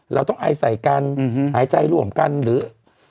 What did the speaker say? เราต้องอายใส่กันหายใจร่วมกันหรือ